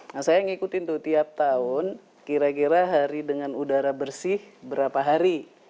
nah saya ngikutin tuh tiap tahun kira kira hari dengan udara bersih berapa hari